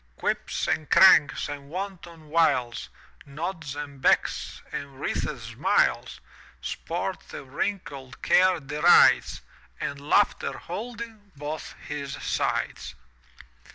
Quips and Cranks and wanton Wiles,* Nods and Becks and wreathed Smiles, Sport that wrinkled Care derides. And Laughter, holding both his sides!